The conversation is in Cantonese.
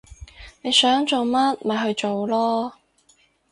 你想做乜咪去做囉